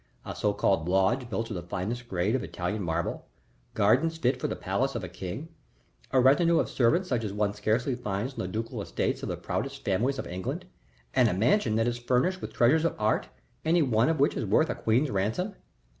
A so called lodge built of the finest grade of Italian marble; gardens fit for the palace of a king; a retinue of servants such as one scarcely finds on the ducal estates of the proudest families of England and a mansion that is furnished with treasures of art, any one of which is worth a queen's ransom."